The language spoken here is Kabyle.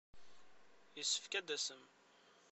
Yessefk ad d-tasem.